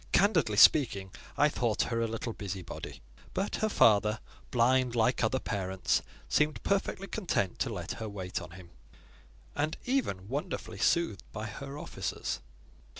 Candidly speaking, I thought her a little busy body; but her father, blind like other parents, seemed perfectly content to let her wait on him, and even wonderfully soothed by her offices.